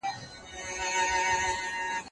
خاوند د جسم د منفعت مستحق دی.